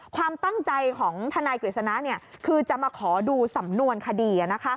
ความตั้งใจของทนายกฤษณะคือจะมาขอดูสำนวนคดี